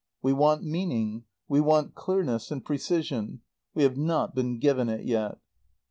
"We want meaning; we want clearness and precision. We have not been given it yet.